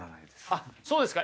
あっそうですか。